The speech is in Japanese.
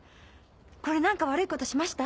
これ何か悪いことしました？